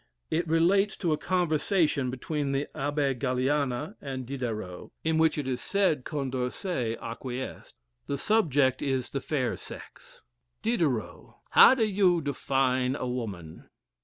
It relates to a conversation between the Abbe Galiana and Diderot, in which it is said Condorcet acquiesced. The subject is the fair sex: Diderot. How do you define woman?